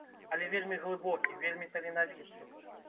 Але вельмі глыбокі, вельмі таленавіты.